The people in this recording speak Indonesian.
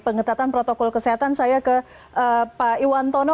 pengetatan protokol kesehatan saya ke pak iwantono